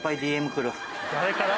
・誰から？